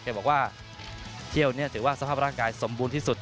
บอกว่าเที่ยวนี้ถือว่าสภาพร่างกายสมบูรณ์ที่สุด